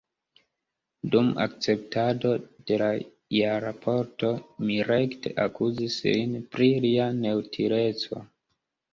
Dum akceptado de la jarraporto mi rekte akuzis lin pri lia neutileco.